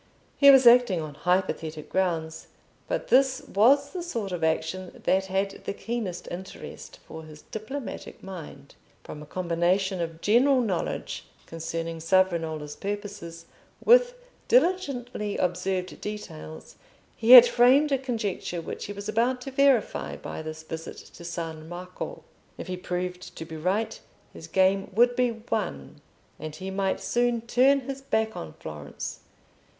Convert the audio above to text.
He was acting on hypothetic grounds, but this was the sort of action that had the keenest interest for his diplomatic mind. From a combination of general knowledge concerning Savonarola's purposes with diligently observed details he had framed a conjecture which he was about to verify by this visit to San Marco. If he proved to be right, his game would be won, and he might soon turn his back on Florence.